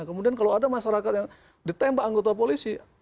kemudian kalau ada masyarakat yang ditembak anggota polisi